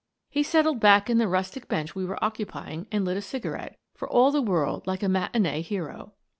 He settled back in the rustic bench we were occupying and lit a cigarette, for all the world like a matinee hero.